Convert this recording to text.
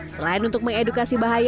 selain untuk mengedukasi bahaya